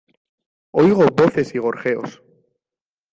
oigo voces y gorjeos: